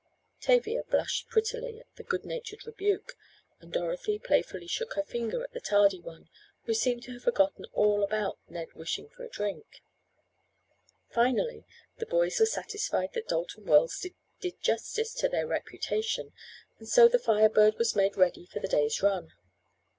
Tavia blushed prettily at the good natured rebuke, and Dorothy playfully shook her finger at the tardy one, who seemed to have forgotten all about Ned wishing a drink. Finally the boys were satisfied that Dalton wells did justice to their reputation, and so the "Fire Bird" was made ready for the day's run.